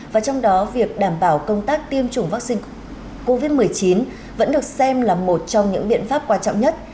và trong đó việc đảm bảo công tác tiêm chủng vaccine covid một mươi chín vẫn được xem là một trong những biện pháp quan trọng nhất